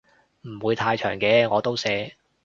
唔會太長嘅我都寫